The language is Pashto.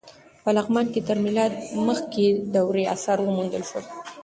په لغمان کې تر میلاد مخکې دورې اثار وموندل شول.